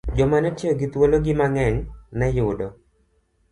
Joma ne tiyo gi thuologi mang'eny ne yudo